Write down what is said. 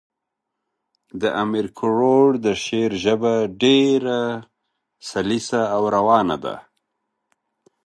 د امیر کروړ شعر ژبه ډېره سلیسه او روانه ده.